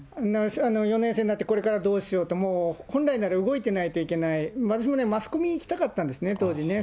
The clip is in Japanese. ４年生になって、これからどうしようと、もう、本来なら動いてなきゃいけない、マスコミに行きたかったんですね、当時ね。